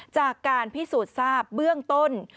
จากการพิสูจน์ทราบเบื้องต้น